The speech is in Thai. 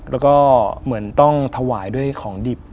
แล้วก็เหมือนต้องถวายด้วยของดิบ